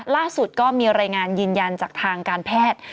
ล่าสุดก็มีรายงานยืนยันจากทางการแพทย์